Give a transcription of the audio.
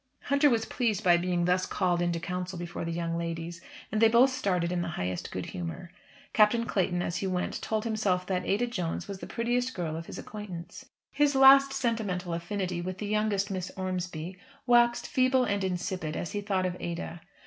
Hunter was pleased by being thus called into council before the young ladies, and they both started in the highest good humour. Captain Clayton, as he went, told himself that Ada Jones was the prettiest girl of his acquaintance. His last sentimental affinity with the youngest Miss Ormesby waxed feeble and insipid as he thought of Ada.